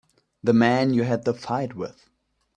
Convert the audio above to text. The man you had the fight with.